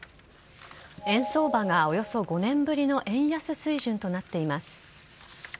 円相場がおよそ５年ぶりの円安水準となっています。